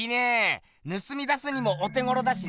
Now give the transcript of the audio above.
ぬすみ出すにもお手ごろだしな！